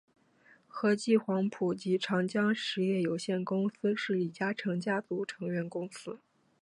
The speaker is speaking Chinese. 和记黄埔及长江实业有限公司是李嘉诚家族成员公司。